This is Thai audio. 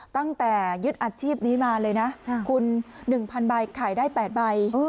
ตั้งแต่ยึดอาชีพนี้มาเลยนะคุณหนึ่งพันใบขายได้แปดใบ